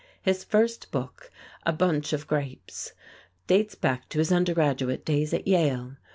His first book, "A Bunch of Grapes," dates back to his undergraduate days at Yale.